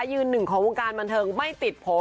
ยืนหนึ่งของวงการบันเทิงไม่ติดโผล่